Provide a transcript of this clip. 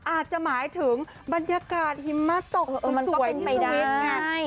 อาจจะหมายถึงบรรยากาศหิมะตกสวยมันก็เป็นไปได้